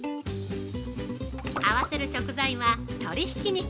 合わせる食材は鶏ひき肉。